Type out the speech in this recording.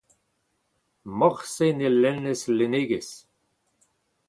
Morse ne lennez lennegezh.